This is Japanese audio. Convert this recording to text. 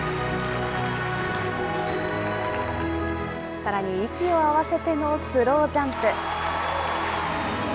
さらに息を合わせてのスロージャンプ。